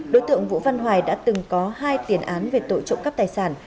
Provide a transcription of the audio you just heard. đối tượng vũ văn hoài đã từng có hai tiền án về tội trộm cắp tài sản